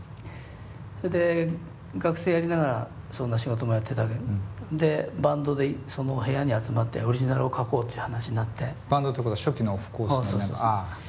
それで学生やりながらそんな仕事もやってたけどバンドでその部屋に集まってオリジナルを書こうっていう話になってバンドってことは初期のオフコースのメンバー？